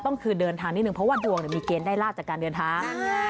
คือเดินทางนิดนึงเพราะว่าดวงมีเกณฑ์ได้ลาบจากการเดินทาง